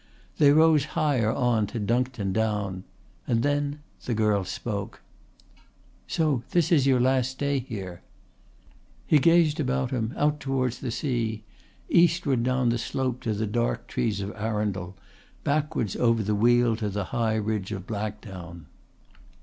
They rose higher on to Duncton Down, and then the girl spoke. "So this is your last day here." He gazed about him out towards the sea, eastwards down the slope to the dark trees of Arundel, backwards over the weald to the high ridge of Blackdown.